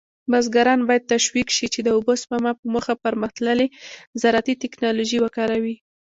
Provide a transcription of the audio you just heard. بزګران باید تشویق شي چې د اوبو سپما په موخه پرمختللې زراعتي تکنالوژي وکاروي.